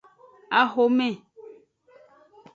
Axome.